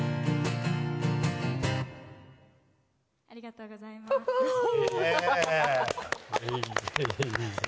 ありがとうございます。